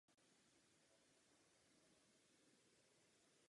V této oblasti je zároveň velmi snadné chybovat.